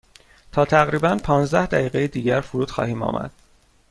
تا تقریبا پانزده دقیقه دیگر فرود خواهیم آمد.